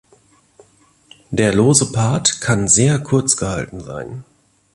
Die lose Part kann sehr kurz gehalten sein.